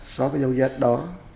xóa cái dấu vết đó